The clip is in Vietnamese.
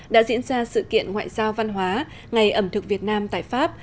đã diễn ra sự kiện ngoại giao văn hóa ngày ẩm thực việt nam tại pháp